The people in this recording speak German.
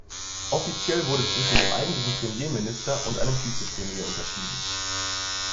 Offiziell wurde zwischen dem eigentlichen Premierminister und einem Vizepremier unterschieden.